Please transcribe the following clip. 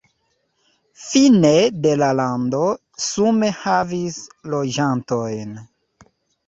Fine de la lando sume havis loĝantojn.